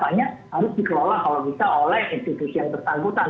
pengamanan datanya harus dikelola kalau bisa oleh institusi yang tertanggutan